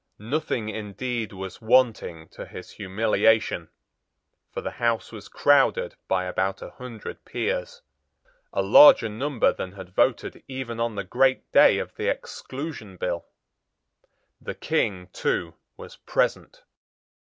Nothing indeed was wanting to his humiliation; for the House was crowded by about a hundred peers, a larger number than had voted even on the great day of the Exclusion Bill. The King, too, was present.